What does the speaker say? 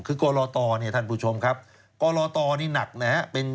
คือกรตเนี่ยท่านผู้ชมครับกรตนี่หนักนะฮะ